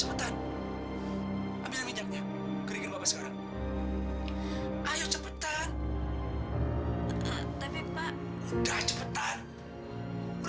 beny pake masure baraw